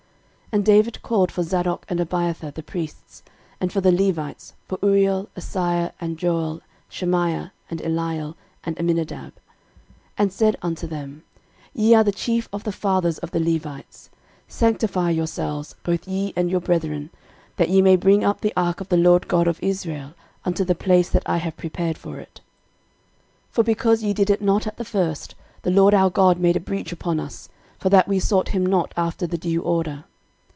13:015:011 And David called for Zadok and Abiathar the priests, and for the Levites, for Uriel, Asaiah, and Joel, Shemaiah, and Eliel, and Amminadab, 13:015:012 And said unto them, Ye are the chief of the fathers of the Levites: sanctify yourselves, both ye and your brethren, that ye may bring up the ark of the LORD God of Israel unto the place that I have prepared for it. 13:015:013 For because ye did it not at the first, the LORD our God made a breach upon us, for that we sought him not after the due order.